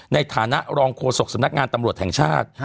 ในฐานะรองโฆษกสำนักงานตำรวจแห่งชาติ